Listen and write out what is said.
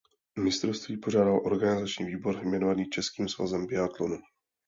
Mistrovství pořádal organizační výbor jmenovaný Českým svazem biatlonu.